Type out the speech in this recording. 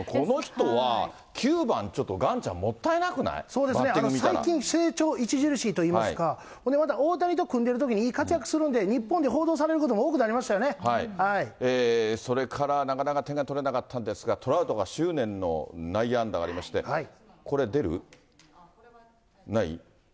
そうですね、最近成長著しいといいますか、それでまた大谷と組んでるときにいい活躍するんで、日本で報道されることも多くなりそれから、なかなか点が取れなかったんですが、トラウトが執念の内野安打がありまして、これ出る？ない？